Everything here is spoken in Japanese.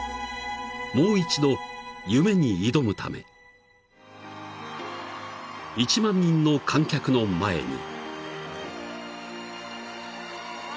［もう一度夢に挑むため１万人の観客の前に］